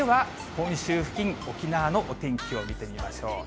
本州付近、沖縄のお天気を見てみましょう。